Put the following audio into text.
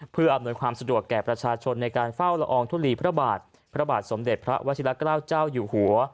เพื่ออำนวยความสะดวกแก่ประชาชนในการเฝ้าละอองทุลีพระบาทพระบาทสมเด็จพระวชิละเกล้าเจ้าอยู่หัว